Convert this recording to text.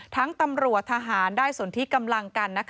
ตำรวจทหารได้สนที่กำลังกัน